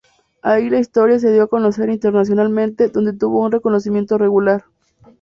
Ahí la historia se dio a conocer internacionalmente, donde tuvo un´reconocimiento regular.